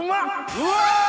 うわ！